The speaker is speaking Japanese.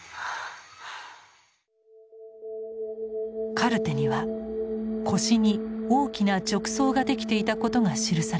カルテには腰に大きな褥瘡ができていたことが記されています。